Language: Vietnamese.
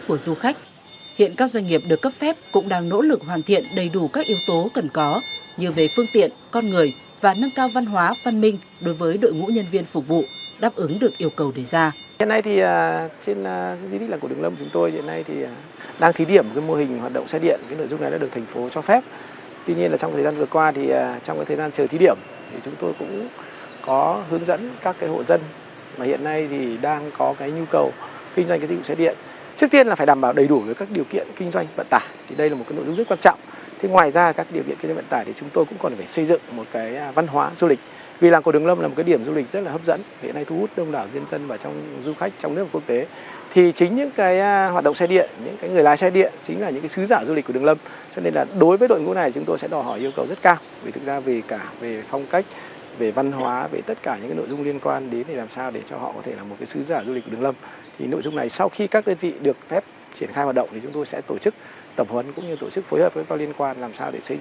sau khi các đơn vị được phép triển khai hoạt động thì chúng tôi sẽ tổ chức tẩm huấn cũng như tổ chức phối hợp với các liên quan làm sao để xây dựng đội ngũ xe điện cũng sẽ là một trong những hành động sản phẩm du lịch của đường lâm